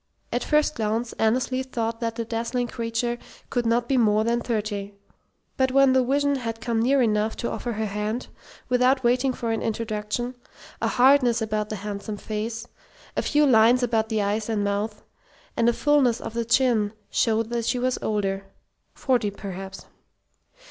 At first glance Annesley thought that the dazzling creature could not be more than thirty; but when the vision had come near enough to offer her hand, without waiting for an introduction, a hardness about the handsome face, a few lines about the eyes and mouth, and a fullness of the chin showed that she was older forty, perhaps.